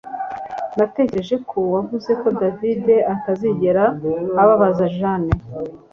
Natekereje ko wavuze ko David atazigera ababaza Jane